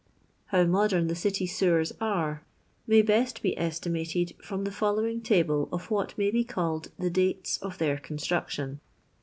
llow modern the City sewers are may best be estimated from the followiiig table of what may be c:illed the dates of their construction.